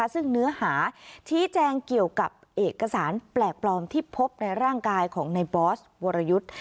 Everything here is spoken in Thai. ซึ่งเนื้อหาชี้แจงเกี่ยวกับเอกสารแปลกปลอมที่พบในร่างกายของในบอสวรยุทธ์